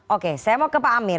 oke saya mau ke pak amir